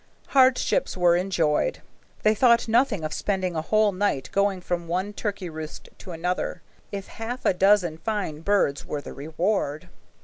Hardships were enjoyed. They thought nothing of spending a whole night going from one turkey roost to another, if half a dozen fine birds were the reward.